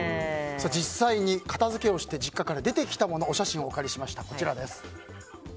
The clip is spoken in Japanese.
実際に片づけをして実家から出てきた物お写真をお借りしました。